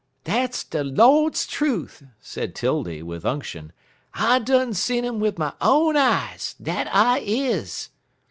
"Dat's de Lord's truth!" said 'Tildy, with unction. "I done seed um wid my own eyes. Dat I is."